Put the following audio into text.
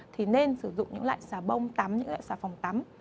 thì nên sử dụng những loại xà bông tắm những loại xà phòng tắm